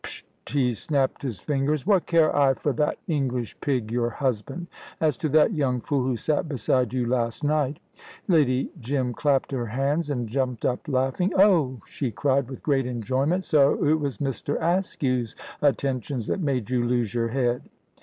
Pschutt" he snapped his fingers "what care I for that English pig, your husband? As to that young fool who sat beside you last night " Lady Jim clapped her hands, and jumped up, laughing. "Oh," she cried, with great enjoyment, "so it was Mr. Askew's attentions that made you lose your head?"